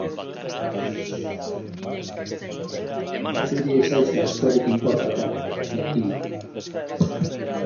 Zuri ez zaizu askorik inportako, jakina!